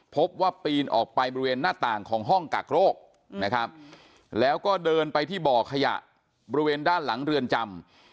พบว่าปีนออกไปบริเวณหน้าต่างของห้องกักโรคนะครับแล้วก็เดินไปที่บ่อขยะบริเวณด้านหลังเรือนจำ